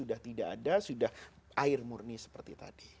jadi air yang tidak ada sudah air murni seperti tadi